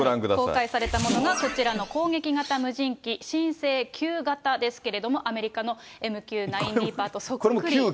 公開されたものがこちらの攻撃型無人機、新星９型ですけれども、アメリカのＭＱ９リーパーとそっくり。